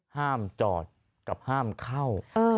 ห้ามจอดกับห้ามเข้า